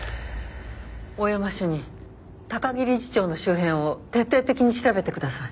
大山主任高木理事長の周辺を徹底的に調べてください。